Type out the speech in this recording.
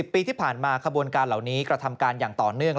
ปีที่ผ่านมาขบวนการเหล่านี้กระทำการอย่างต่อเนื่อง